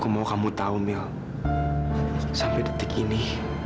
mau kamu tahu mil sampai detik ini